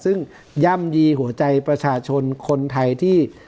ซึ่งย่ำยีหัวใจประชาชนคนไทยที่